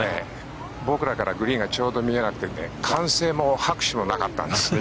僕らからグリーンがちょうど見えなくて歓声も拍手もなかったんですよ。